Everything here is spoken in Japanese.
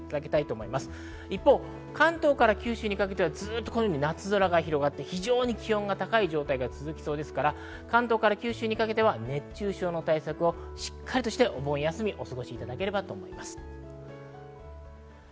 一方、関東から九州にかけてはずっと夏空が広がって非常に気温が高い状態が続きそうですから関東から九州にかけては熱中症の対策をしっかりしてお盆休みを過ごしてください。